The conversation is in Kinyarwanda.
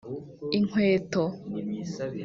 inkweto